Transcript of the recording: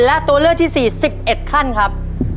และตัวเลือกที่๔๑๑ขั้นครับ